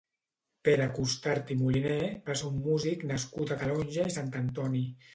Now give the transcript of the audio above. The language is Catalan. Pere Costart i Moliner va ser un músic nascut a Calonge i Sant Antoni.